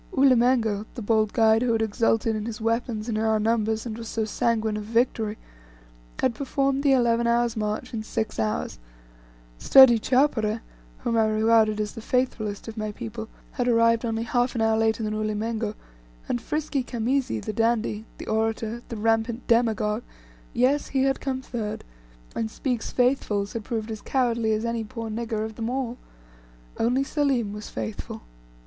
Ulimengo, the bold guide who had exulted in his weapons and in our numbers, and was so sanguine of victory, had performed the eleven hours' march in six hours; sturdy Chowpereh, whom I regarded as the faithfullest of my people, had arrived only half an hour later than Ulimengo; and frisky Khamisi, the dandy the orator the rampant demagogue yes he had come third; and Speke's "Faithfuls" had proved as cowardly as any poor "nigger" of them all. Only Selim was faithful.